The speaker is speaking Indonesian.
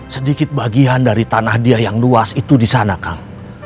sedikit bagian dari tanah dia yang luas itu disana kak